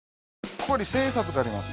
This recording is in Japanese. ここに千円札があります。